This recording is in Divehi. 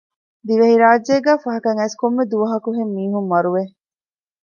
ދިވެހިރާއްޖޭގައި ފަހަކަށް އައިސް ކޮންމެ ދުވަހަކުހެން މީހުން މަރުވެ